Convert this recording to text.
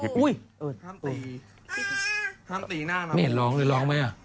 ไม่เห็นร้องเลยร้องไหม